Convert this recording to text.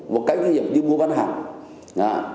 một cách như mua bán hàng